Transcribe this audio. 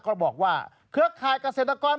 ก็บอกว่าเครือข่ายเกษตรกร